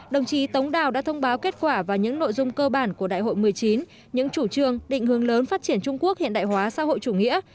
đồng chí tống đào đã thông báo kết quả và những nội dung cơ bản của đại hội một mươi chín những chủ trương định hướng lớn phát triển trung quốc hiện đại hóa xã hội chủ nghĩa